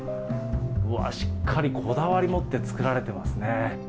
うわ、しっかりこだわり持って作られてますね。